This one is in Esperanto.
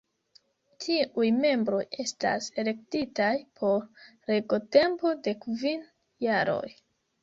Tiuj membroj estas elektitaj por regotempo de kvin jaroj.